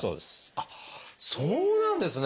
あっそうなんですね！